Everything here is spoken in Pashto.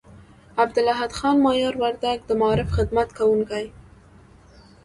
عبدالاحد خان مایار وردگ، د معارف خدمت کوونکي